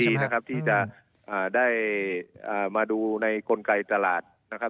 เป็นส่วนหนึ่งดีที่จะได้มาดูในกลไกตลาด